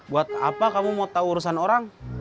buat apa kamu mau tahu urusan orang